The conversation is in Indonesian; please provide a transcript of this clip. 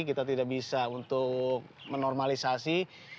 kita tidak bisa untuk menormalisasi